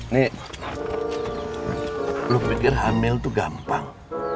nek lo pikir hamil tuh gampang